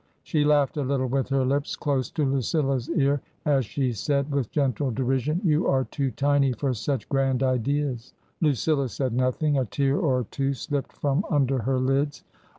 She laughed a little with her lips close to Lucilla's ear as she said, with gentle derision, " You are too tiny for such grand ideas." Lucilla said nothing. A tear or two slipped from under her lids.